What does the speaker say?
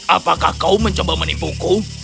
apakah kau mencoba menipuku